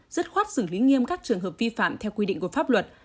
dứt khoát xử lý nghiêm các trường hợp vi phạm theo quy định của pháp luật